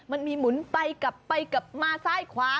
มันมีหมุนไปกลับไปกลับมาซ้ายขวา